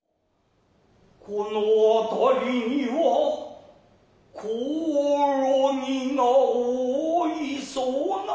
この辺りにはこおろぎが多いそうな。